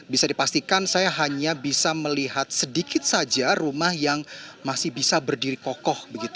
bisa dipastikan saya hanya bisa melihat sedikit saja rumah yang masih bisa berdiri kokoh